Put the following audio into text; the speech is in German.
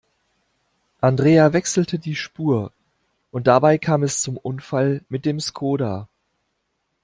Andrea wechselte die Spur und dabei kam es zum Unfall mit dem Skoda.